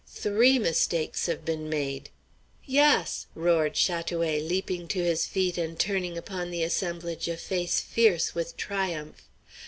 Three mistakes have been made!" "Yass!" roared Chat oué, leaping to his feet and turning upon the assemblage a face fierce with triumph.